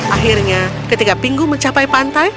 akhirnya ketika pingu mencapai pantai